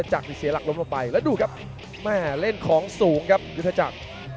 จากที่เสียหลักล้มลงไปแล้วดูครับแม่เล่นของสูงครับยุทธจักร